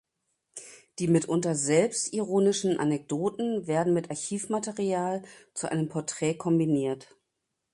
Die mitunter selbstironischen Anekdoten werden mit Archivmaterial zu einem Porträt kombiniert.